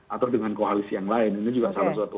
atau dengan koalisi yang lain ini juga salah satu